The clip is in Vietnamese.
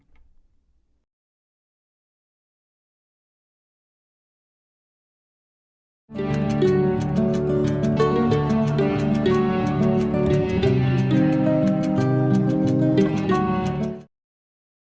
hãy đăng ký kênh để ủng hộ kênh mình nhé